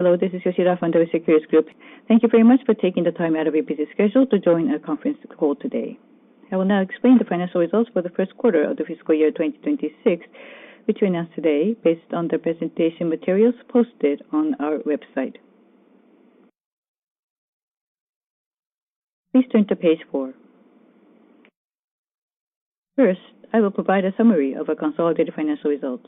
Hello, this is Yoshida from Daiwa Securities Group. Thank you very much for taking the time out of your busy schedule to join our conference call today. I will now explain the financial results for the first quarter of the fiscal year 2026, which we announce today based on the presentation materials posted on our website. Please turn to page four. First, I will provide a summary of our consolidated financial results.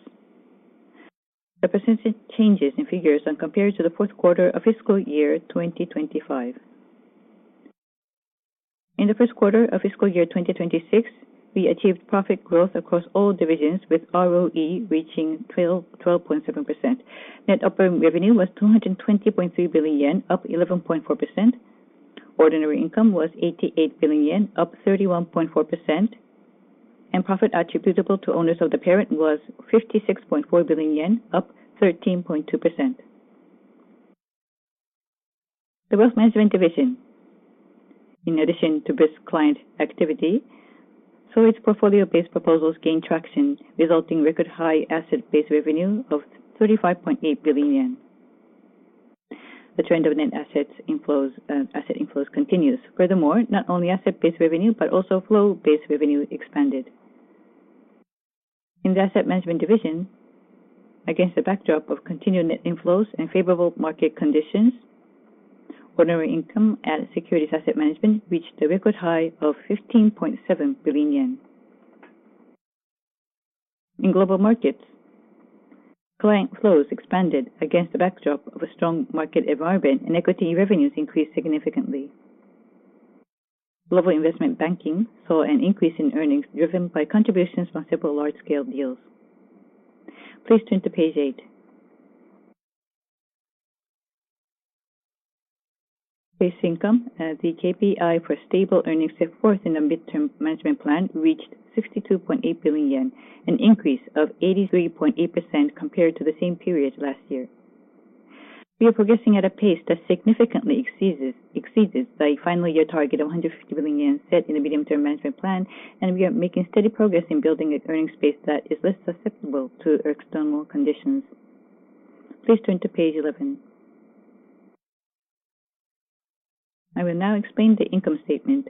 The percentage changes in figures when compared to the fourth quarter of fiscal year 2025. In the first quarter of fiscal year 2026, we achieved profit growth across all divisions, with ROE reaching 12.7%. Net operating revenue was 220.3 billion yen, up 11.4%. Ordinary income was 88 billion yen, up 31.4%, and profit attributable to owners of the parent was 56.4 billion yen, up 13.2%. The Wealth Management Division. In addition to brisk client activity, service portfolio-based proposals gained traction, resulting in record-high asset-based revenue of 35.8 billion yen. The trend of net asset inflows continues. Furthermore, not only asset-based revenue but also flow-based revenue expanded. In the Asset Management Division, against the backdrop of continued net inflows and favorable market conditions, ordinary income at Securities Asset Management reached a record high of 15.7 billion yen. In Global Markets, client flows expanded against the backdrop of a strong market environment, and equity revenues increased significantly. Global Investment Banking saw an increase in earnings driven by contributions from several large-scale deals. Please turn to page eight. Base income as the KPI for stable earnings set forth in the mid-term management plan reached 62.8 billion yen, an increase of 83.8% compared to the same period last year. We are progressing at a pace that significantly exceeds the final year target of 150 billion yen set in the medium-term management plan, and we are making steady progress in building an earnings base that is less susceptible to external conditions. Please turn to page 11. I will now explain the income statement.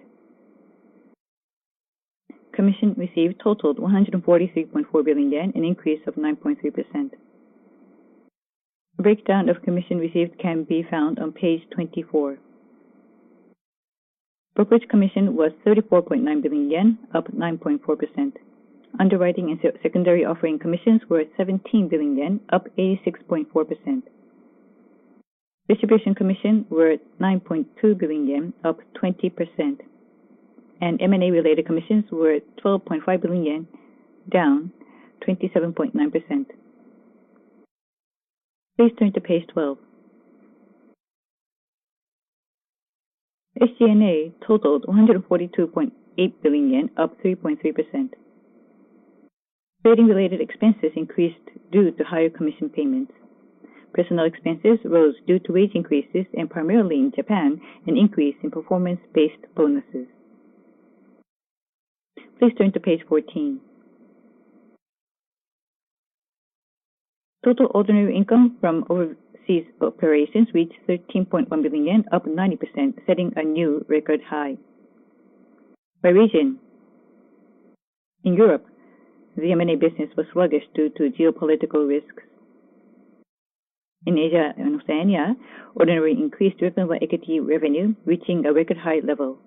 Commission received totaled 143.4 billion yen, an increase of 9.3%. A breakdown of commission received can be found on page 24. Brokerage commission was 34.9 billion yen, up 9.4%. Underwriting and secondary offering commissions were at 17 billion yen, up 86.4%. Distribution commissions were at 9.2 billion yen, up 20%, and M&A related commissions were at 12.5 billion yen, down 27.9%. Please turn to page 12. SG&A totaled JPY 142.8 billion, up 3.3%. Trading-related expenses increased due to higher commission payments. Personnel expenses rose due to wage increases and, primarily in Japan, an increase in performance-based bonuses. Please turn to page 14. Total ordinary income from overseas operations reached 13.1 billion yen, up 90%, setting a new record high. By region. In Europe, the M&A business was sluggish due to geopolitical risks. In Asia and Oceania, ordinary increased driven by equity revenue, reaching a record-high level.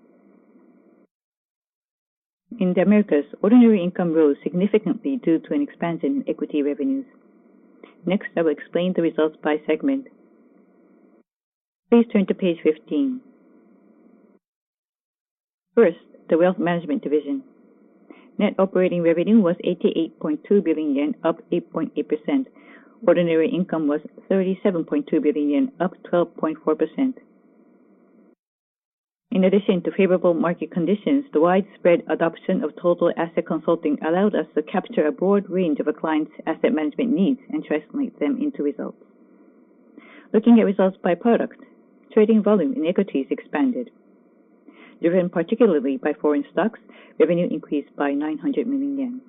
In the Americas, ordinary income rose significantly due to an expansion in equity revenues. Next, I will explain the results by segment. Please turn to page 15. First, the Wealth Management Division. Net operating revenue was 88.2 billion yen, up 8.8%. Ordinary income was 37.2 billion yen, up 12.4%. In addition to favorable market conditions, the widespread adoption of total asset consulting allowed us to capture a broad range of a client's asset management needs and translate them into results. Looking at results by product, trading volume in equities expanded. Driven particularly by foreign stocks, revenue increased by 900 million yen.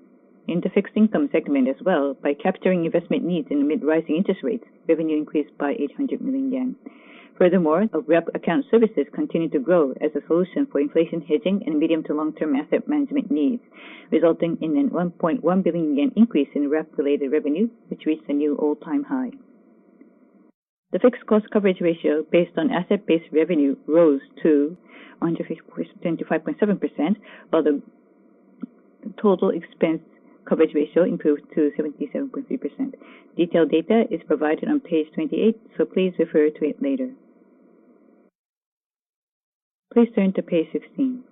In the fixed income segment as well, by capturing investment needs amid rising interest rates, revenue increased by 800 million yen. Furthermore, our wrap account services continued to grow as a solution for inflation hedging and medium- to long-term asset management needs, resulting in a 1.1 billion yen increase in wrap-related revenue, which reached a new all-time high. The fixed cost coverage ratio based on asset-based revenue rose to 125.7%, while the total expense coverage ratio improved to 77.3%. Detailed data is provided on page 28, please refer to it later. Please turn to page 16.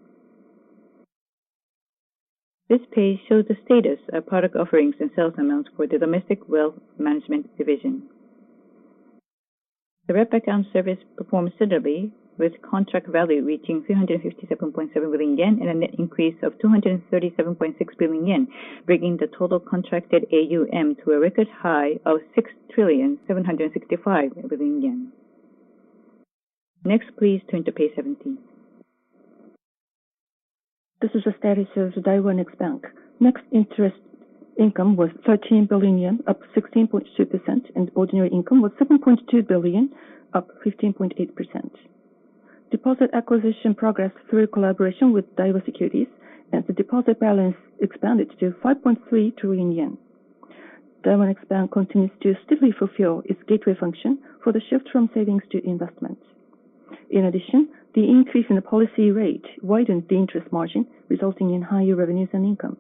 This page shows the status of product offerings and sales amounts for the Domestic Wealth Management Division. The wrap account service performed steadily, with contract value reaching 357.7 billion yen and a net increase of 237.6 billion yen, bringing the total contracted AUM to a record high of 6.765 trillion. Please turn to page 17. This is the status of Daiwa Next Bank. Net interest income was 13 billion yen, up 16.2%, and ordinary income was 7.2 billion, up 15.8%. Deposit acquisition progressed through collaboration with Daiwa Securities, the deposit balance expanded to 5.3 trillion yen. Daiwa Next Bank continues to steadily fulfill its gateway function for the shift from savings to investment. In addition, the increase in the policy rate widened the interest margin, resulting in higher revenues and income.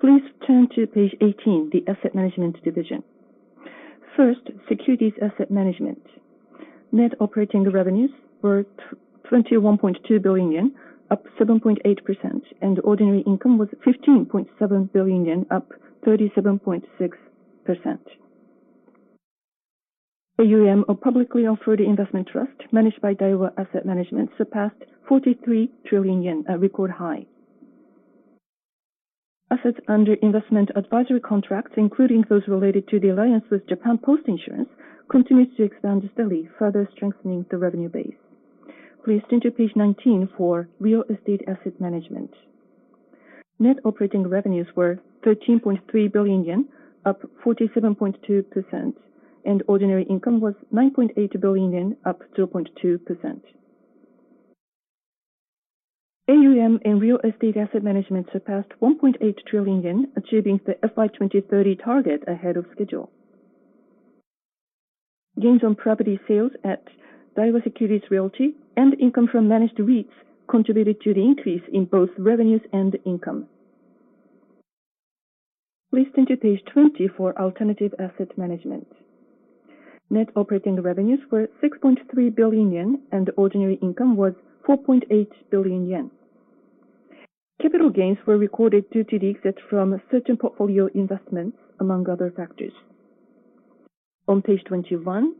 Please turn to page 18, the Asset Management Division. First, securities asset management. Net operating revenues were 21.2 billion yen, up 7.8%, and ordinary income was 15.7 billion yen, up 37.6%. AUM of publicly offered investment trust managed by Daiwa Asset Management surpassed 43 trillion yen, a record high. Assets under investment advisory contracts, including those related to the alliance with Japan Post Insurance, continues to expand steadily, further strengthening the revenue base. Please turn to page 19 for Real Estate Asset Management. Net operating revenues were 13.3 billion yen, up 47.2%, and ordinary income was 9.8 billion yen, up 2.2%. AUM and Real Estate Asset Management surpassed 1.8 trillion yen, achieving the FY 2030 target ahead of schedule. Gains on property sales at Daiwa Securities Realty and income from managed REITs contributed to the increase in both revenues and income. Please turn to page 20 for Alternative Asset Management. Net operating revenues were 6.3 billion yen and ordinary income was 4.8 billion yen. Capital gains were recorded due to the exit from certain portfolio investments, among other factors. Page 21.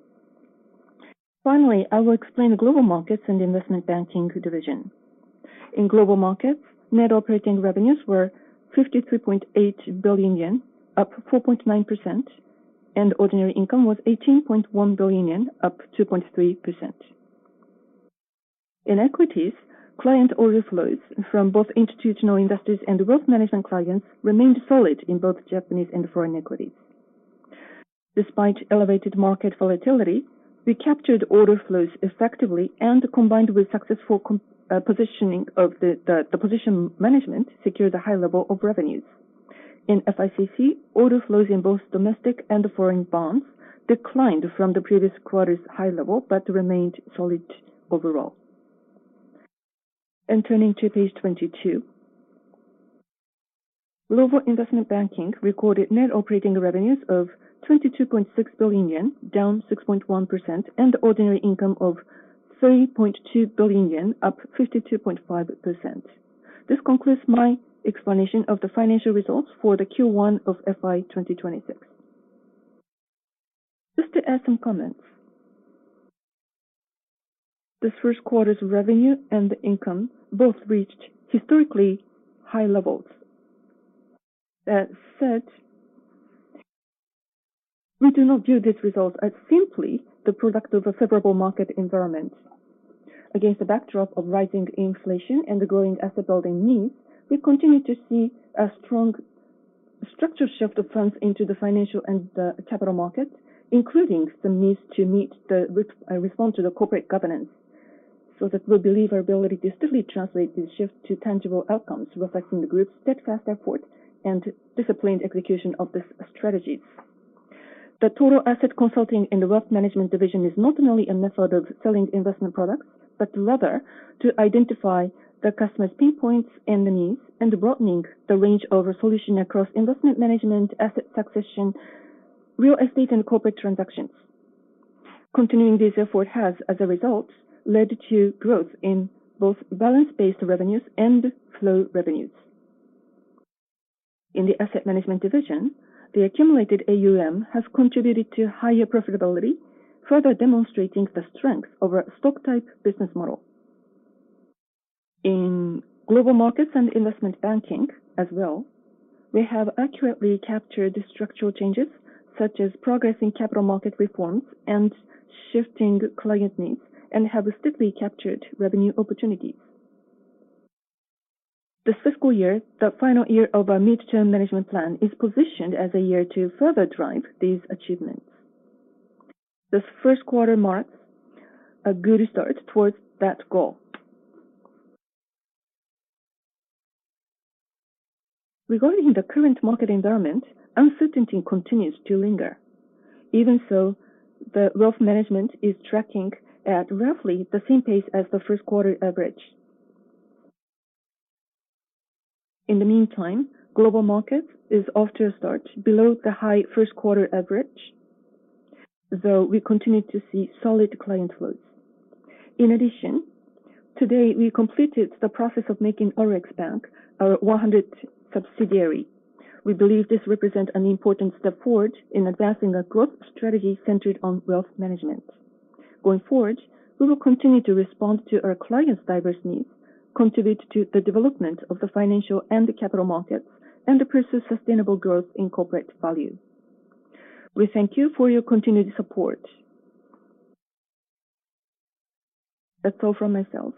Finally, I will explain the Global Markets & Investment Banking Division. In Global Markets, net operating revenues were 53.8 billion yen, up 4.9%, and ordinary income was 18.1 billion yen, up 2.3%. In equities, client order flows from both institutional investors and wealth management clients remained solid in both Japanese and foreign equities. Despite elevated market volatility, we captured order flows effectively and combined with successful positioning of the position management secured a high level of revenues. In FICC, order flows in both domestic and foreign bonds declined from the previous quarter's high level, but remained solid overall. Turning to page 22. Global Investment Banking recorded net operating revenues of 22.6 billion yen, down 6.1%, and ordinary income of 30.2 billion yen, up 52.5%. This concludes my explanation of the financial results for the Q1 of FY 2026. Just to add some comments. This first quarter's revenue and income both reached historically high levels. That said, we do not view this result as simply the product of a favorable market environment. Against the backdrop of rising inflation and the growing asset building needs, we continue to see a strong structural shift of funds into the financial and capital markets, including some needs to respond to the corporate governance. We believe our ability to steadily translate this shift to tangible outcomes, reflecting the group's steadfast effort and disciplined execution of the strategies. The total asset consulting and the Wealth Management Division is not only a method of selling investment products, but rather to identify the customer's pain points and the needs, and broadening the range of our solution across investment management, asset succession, real estate, and corporate transactions. Continuing this effort has, as a result, led to growth in both balance-based revenues and flow revenues. In the Asset Management Division, the accumulated AUM has contributed to higher profitability, further demonstrating the strength of our stock-type business model. In Global Markets and Investment Banking as well, we have accurately captured the structural changes such as progressing capital market reforms and shifting client needs and have steadily captured revenue opportunities. This fiscal year, the final year of our mid-term management plan, is positioned as a year to further drive these achievements. This first quarter marks a good start towards that goal. Regarding the current market environment, uncertainty continues to linger. Even so, the Wealth Management is tracking at roughly the same pace as the first quarter average. In the meantime, Global Markets is off to a start below the high first quarter average, though we continue to see solid client flows. In addition, today, we completed the process of making ORIX Bank our 100% subsidiary. We believe this represents an important step forward in advancing our growth strategy centered on Wealth Management. Going forward, we will continue to respond to our clients' diverse needs, contribute to the development of the financial and the capital markets, and pursue sustainable growth in corporate value. We thank you for your continued support. That's all from myself.